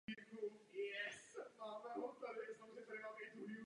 Zpráva také zdůrazňuje pozitivní a negativní pobídky k omezení výmětů.